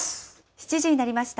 ７時になりました。